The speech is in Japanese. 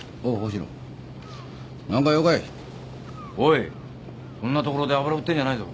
おいこんな所で油売ってんじゃないぞ。